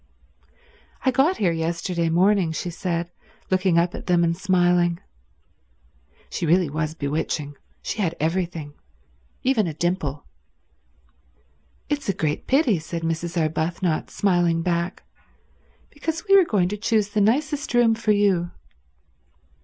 "I got here yesterday morning," she said, looking up at them and smiling. She really was bewitching. She had everything, even a dimple. "It's a great pity," said Mrs. Arbuthnot, smiling back, "because we were going to choose the nicest room for you."